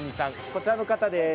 こちらの方です。